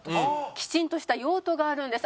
きちんとした用途があるんです。